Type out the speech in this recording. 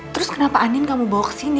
terus kenapa andin kamu bawa kesini